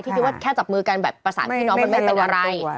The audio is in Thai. คิดว่าแค่จับมือกันแบบประสานพี่น้องมันไม่เป็นอะไร